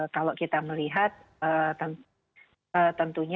kalau kita melihat tentunya